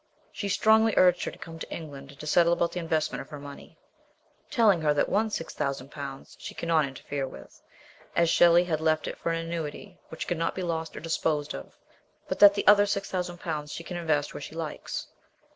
She strongly urged her to come to England to settle about the investment of her money, telling her that one ,6,000 she cannot interfere with, as Shelley had left it for an annuity which could not be lost or disposed of; but that the other 6,000 she can invest where she likes.